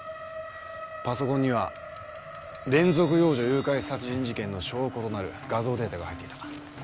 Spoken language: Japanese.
パソコンには連続幼女誘拐殺人事件の証拠となる画像データが入っていた。